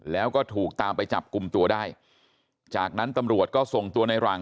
แล้วก็ถูกตามไปจับกลุ่มตัวได้จากนั้นตำรวจก็ส่งตัวในหลัง